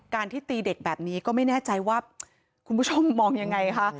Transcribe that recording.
ที่ตีเด็กแบบนี้ก็ไม่แน่ใจว่าคุณผู้ชมมองยังไงคะ